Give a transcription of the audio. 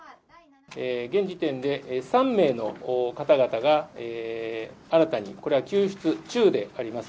現時点で、３名の方々が新たに、これは救出中であります。